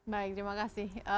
baik terima kasih